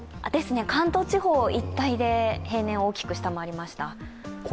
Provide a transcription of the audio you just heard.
関東地方一帯で平年を大きく下回りました。